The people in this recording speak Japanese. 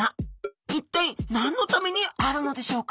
一体何のためにあるのでしょうか？